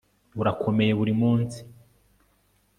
urakomeye buri munsi